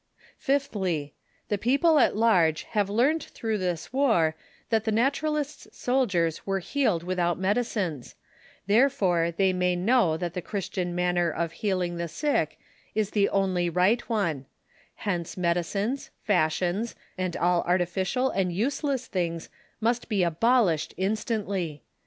Fifthly — The peoi)le at large have learned through this war that the Naturalists' soldiers were healed without medicines : therefore they may know that the Christian manner of "healing the sick " is the only right one ; hence medicines, fashions and all artificial and useless things must be abolished instantly